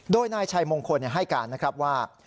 โดยนายชัยมงคลให้การนะครับว่า